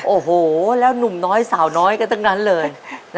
โอ้โหแล้วหนุ่มน้อยสาวน้อยก็ทั้งนั้นเลย